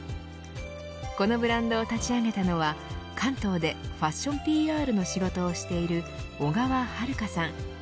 このブランドを立ち上げたのは関東でファッションＰＲの仕事をしている小川晴香さん。